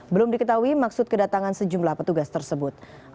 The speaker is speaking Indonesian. belum diketahui maksud kedatangan sejumlah petugas tersebut